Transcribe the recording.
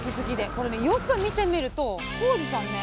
これねよく見てみると航次さんね